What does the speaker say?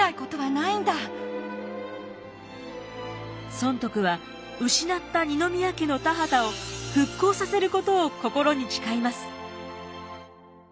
尊徳は失った二宮家の田畑を復興させることを心に誓います。